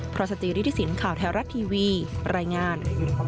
พระสตรีฤทธิสินทร์ข่าวแถวรัฐทีวีรายงาน